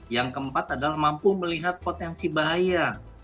yang keempat adalah mampu melihat potensi bahaya